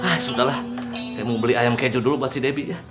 ah sudah lah saya mau beli ayam keju dulu buat si debbie ya